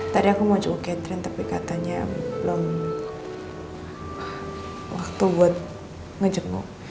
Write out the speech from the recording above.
tadi aku mau jemput catherine tapi katanya belum waktu buat ngejekmu